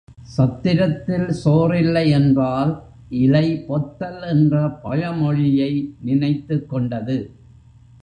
சத்திரத்தில் சோறில்லை என்றால் இலை பொத்தல் என்ற பழமொழியை நினைத்துக்கொண்டது.